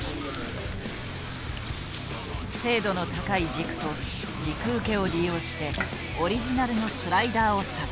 精度の高い軸と軸受けを利用してオリジナルのスライダーを作製。